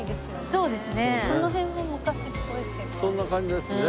そんな感じですね。